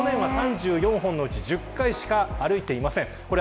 去年は３４本のうち１０回しか歩いていません。